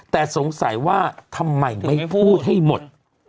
แต่สงสัยว่าทำไมไม่พูดให้หมด